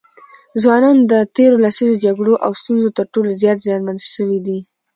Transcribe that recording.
ځوانان د تېرو لسیزو جګړو او ستونزو تر ټولو زیات زیانمن سوي دي.